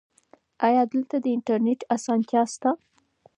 ایا دلته د انټرنیټ اسانتیا شته؟